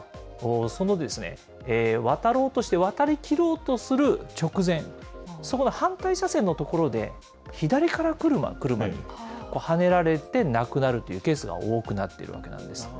その渡ろうとして、渡り切ろうとする直前、そこの反対車線の所で左から来る車にはねられて亡くなるというケースが多くなっているわけなんです。